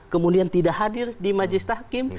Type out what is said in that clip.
kemudian tidak hadir di majlis tahkim